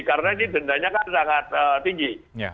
karena ini dendanya kan sangat tinggi